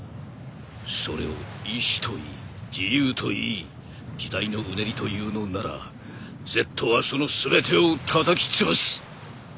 それを意志と言い自由と言い時代のうねりと言うのならＺはその全てをたたきつぶす。